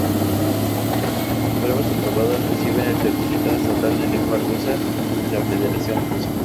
Las pruebas aprobadas reciben el certificado estatal de lengua rusa de la Federación Rusa.